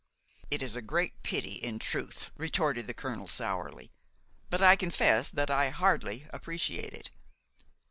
"It is a great pity in truth!" retorted the colonel sourly; "but I confess that I hardly appreciate it.